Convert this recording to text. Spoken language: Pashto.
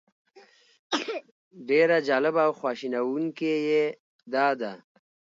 ډېره جالبه او خواشینونکې یې دا ده.